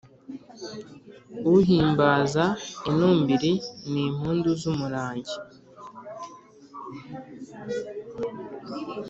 uhimbaza inumbiri. ni impundu z’umurangi